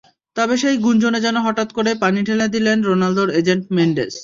তবে সেই গুঞ্জনে যেন হঠাৎ করেই পানি ঢেলে দিলেন রোনালদোর এজেন্ট মেন্ডেস।